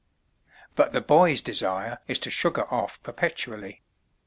But the boy's desire is to "sugar off" perpetually.